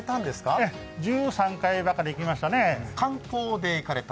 ええ、１３回ばかり行きましたね